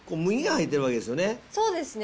そうですね。